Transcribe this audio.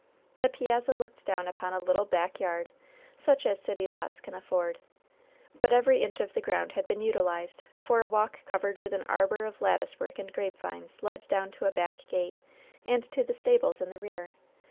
The piazza looked down upon a little back yard, such as city lots can afford. But every inch of the ground had been utilized, for a walk covered with an arbor of latticework and grapevines led down to a back gate and to the stables in the rear.